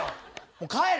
もう帰る！